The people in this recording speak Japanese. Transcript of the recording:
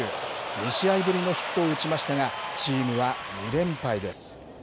２試合ぶりのヒットを打ちましたが、チームは２連敗です。